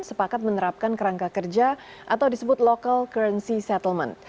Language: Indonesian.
sepakat menerapkan kerangka kerja atau disebut local currency settlement